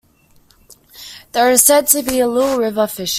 There is said to be little river fishing.